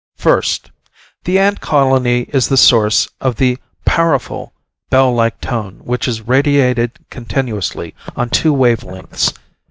First: The ant colony is the source of a powerful bell like tone which is radiated continuously on two wave lengths